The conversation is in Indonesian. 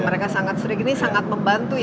mereka sangat sering ini sangat membantu